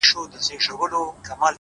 زه خو اوس هم يم هغه کس راپسې وبه ژاړې”